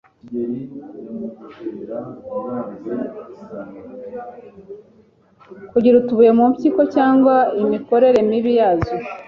kugira utubuye mu mpyiko cg imikorere mibi yazo